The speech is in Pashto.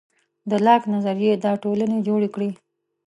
د لاک نظریې دا ټولنې جوړې کړې.